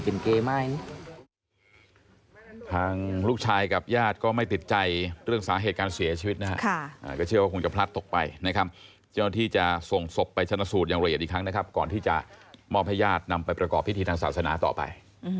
เป็นต้องการยักษ์ลูกหัวตอนนี้ก็ยักษ์ลูกหัวหรือเป็นเกม่ายนี่